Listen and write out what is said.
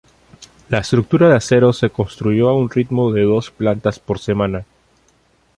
La estructura de acero se construyó a un ritmo de dos plantas por semana.